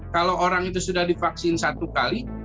kalau orang itu sudah divaksin satu kali